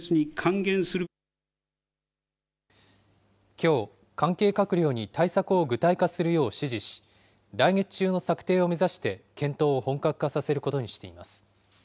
きょう、関係閣僚に対策を具体化するよう指示し、来月中の策定を目指して検討を本格化させることにしています。